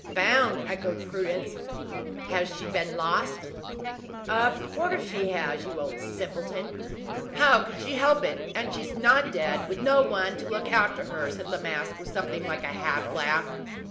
"Found!" echoed Prudence; "has she then been lost?" "Of coarse she has, you old simpleton! How could she help it, and she dead, with no one to look after her?" said La Masque, with something like a half laugh.